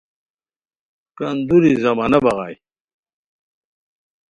کندوری زمانہ بغائے